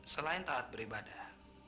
selain taat beribadah